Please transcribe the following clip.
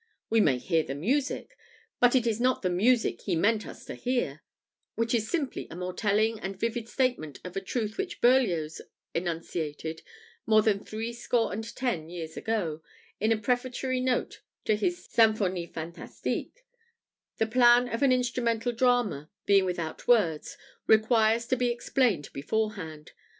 We may hear the music, but it is not the music he meant us to hear" which is simply a more telling and vivid statement of a truth which Berlioz enunciated more than three score and ten years ago in a prefatory note to his Symphonie fantastique: "The plan of an instrumental drama, being without words, requires to be explained beforehand.